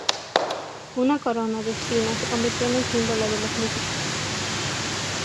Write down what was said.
Una corona de espinas se convirtió en un símbolo de los músicos.